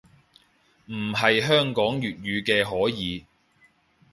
唔係香港粵語嘅可以